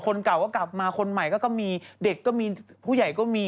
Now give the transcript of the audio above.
เก่าก็กลับมาคนใหม่ก็มีเด็กก็มีผู้ใหญ่ก็มี